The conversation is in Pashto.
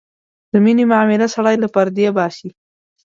د مینې معامله سړی له پردې باسي.